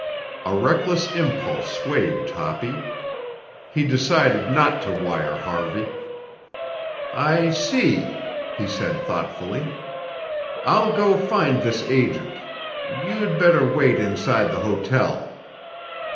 A reckless impulse swayed Toppy. He decided not to wire Harvey. "I see," he said thoughtfully. "I'll go find this agent. You'd better wait inside the hotel."